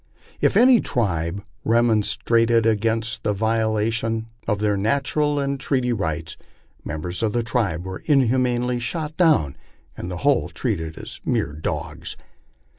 If any tribe remonstrated against the violation of their natural and treaty rights, members of the tribe were inhumanly shot down, and the whole treated as mere dogs.